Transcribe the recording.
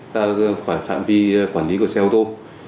ta phải phạm vi quản lý của xe ô tô